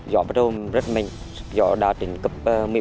gió đã trình cấp một mươi bốn